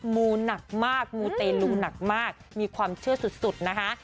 มูหนักมากมูเตลูหนักมากมีความเชื่อสุดนะคะ